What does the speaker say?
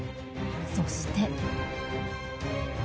そして。